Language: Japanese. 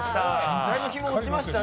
だいぶ日も落ちましたね。